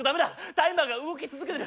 タイマーが動き続けてる。